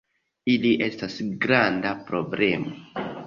Ili estas granda problemo.